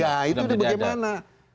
ya itu dia bagaimana